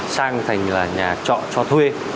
sang thành là nhà trọ cho thuê